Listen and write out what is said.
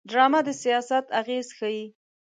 ډرامه د سیاست اغېز ښيي